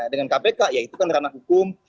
dengan kpk ya itu kan ranah hukum